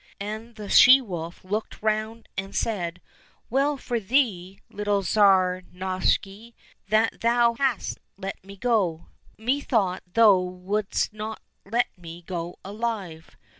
And the she wolf looked round and said, " Well for thee, little Tsar Novishny, that thou hast let me go. Methought thou wouldst not let me go alive.